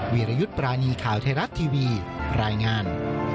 วิรยุทธ์ปรานีข่าวไทยรัฐทีวีรายงาน